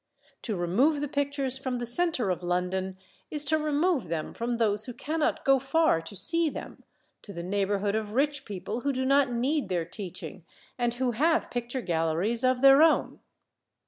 To remove the pictures from the centre of London is to remove them from those who cannot go far to see them, to the neighbourhood of rich people who do not need their teaching, and who have picture galleries of their own.